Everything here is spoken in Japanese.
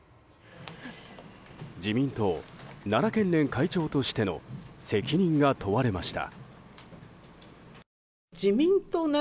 自民党、奈良県連会長としての責任が問われました。